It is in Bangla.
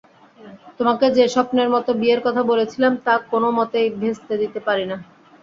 তোমাকে যে স্বপ্নের মতো বিয়ের কথা বলেছিলাম তা কোনো মতেই ভেস্তে দিতে পারি না।